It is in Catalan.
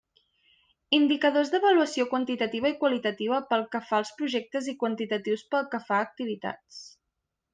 Indicadors d'avaluació quantitativa i qualitativa pel que fa als projectes i quantitatius pel que fa a activitats.